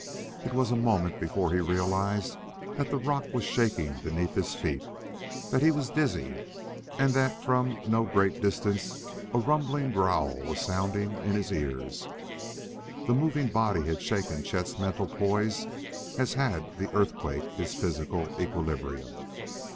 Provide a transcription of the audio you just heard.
It was a moment before he realized that the rock was shaking beneath his feet, that he was dizzy and that from no great distance a rumbling growl was sounding in his ears. The moving body had shaken Chet's mental poise as had the earthquake his physical equilibrium.